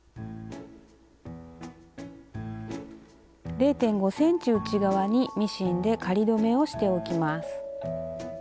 ０．５ｃｍ内側にミシンで仮留めをしておきます。